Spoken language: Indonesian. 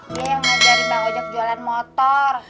dia yang ngajarin bang ojek jualan motor